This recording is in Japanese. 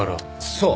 そう。